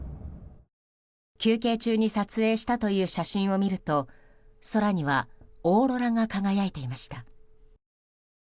休憩中に撮影したという写真を見ると空にはオーロラが輝いていました。